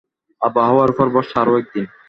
আবহাওয়ার উপর ভরসা আরও একদিন।